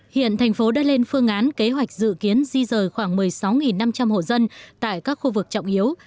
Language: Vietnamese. hiện thành phố đã lên phương án kế hoạch dự kiến di rời khoảng một mươi sáu năm trăm linh hộ dân tại các khu vực trọng yếu